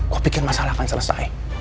gue pikir masalah akan selesai